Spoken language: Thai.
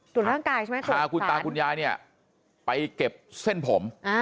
ตรวจทางกายใช่ไหมตรวจสานงานคุณยายเนี้ยไปเก็บเส้นผม